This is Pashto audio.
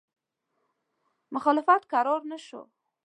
مخالفت کرار نه شو.